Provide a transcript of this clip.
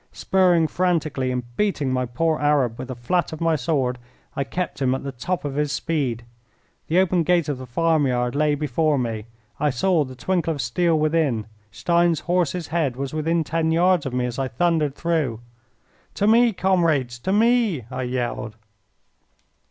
Spurring frantically and beating my poor Arab with the flat of my sword I kept him at the top of his speed. The open gate of the farm yard lay before me. I saw the twinkle of steel within. Stein's horse's head was within ten yards of me as I thundered through. "To me, comrades! To me!" I yelled.